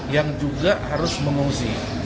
yang juga harus mengungsi